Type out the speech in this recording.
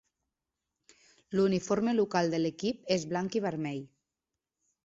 L'uniforme local de l'equip és blanc i vermell.